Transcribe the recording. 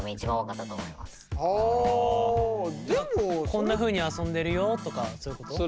こんなふうに遊んでるよとかそういうこと？